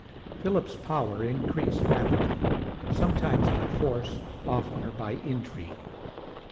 Philip's power increased rapidly, some times by force, oftener by intrigue.